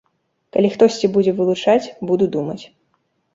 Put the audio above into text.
Калі хтосьці будзе вылучаць, буду думаць.